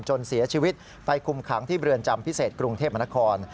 จนเสียชีวิตไปคุมขังที่เรือนจำพิเศษกรุงเทพมนคร